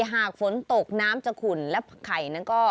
หากฝนตกน้ำจะขุ่นและไข่นั้นก็